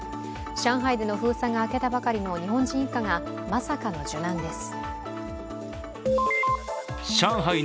上海での封鎖が明けたばかりの日本人一家がまさかの受難です。